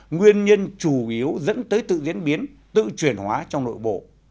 nguyên nhân chủ yếu dẫn tới tự diễn biến tự chuyển hóa trong nội bộ